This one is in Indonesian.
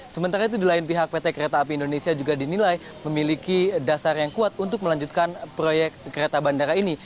sementara itu di lain pihak pt kereta api indonesia juga dinilai memiliki dasar yang kuat untuk melanjutkan proyek kereta bandara ini